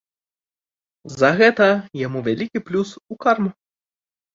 За гэта яму вялікі плюс у карму.